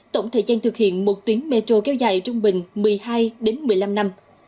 tổng thời gian thực hiện một tuyến metro kéo dài trung bình một mươi hai đến một mươi năm năm